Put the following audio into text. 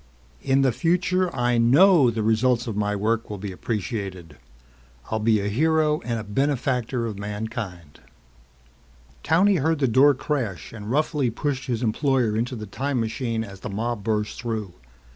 In the future I know the results of my work will be appreciated. I'll be a hero and benefactor of mankind." Towney heard the door crash and roughly pushed his employer into the time machine as the mob burst through.